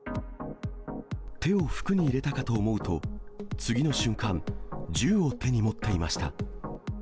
手を服に入れたかと思うと、次の瞬間、銃を手に持っていました。